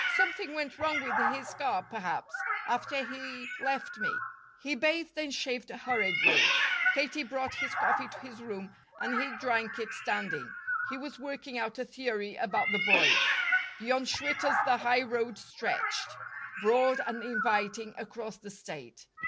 Something went wrong with his car, perhaps, after he left me." He bathed and shaved hurriedly. Katie brought his coffee to his room, and he drank it standing. He was working out a theory about the boy. Beyond Schwitter's the highroad stretched, broad and inviting, across the State.